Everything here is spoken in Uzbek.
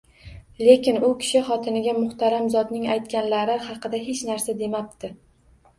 Lekin u kishi xotiniga muhtaram zotning aytganlari haqida hech narsa demabdi